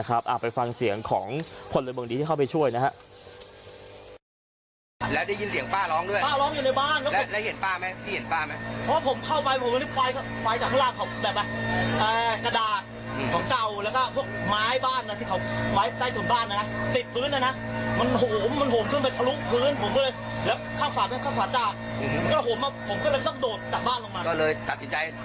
อาจไปฟังเสียงของคนละบ่งดีที่เข้าไปช่วยนะครับ